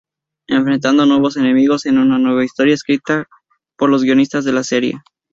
Enfrentando nuevos enemigos en una nueva historia escrita por los guionistas de la serie.